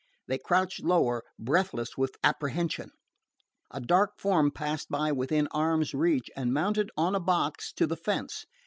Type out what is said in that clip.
They crouched lower, breathless with apprehension. A dark form passed by within arm's reach and mounted on a box to the fence.